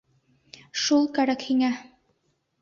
Шул кәрәк һиңә!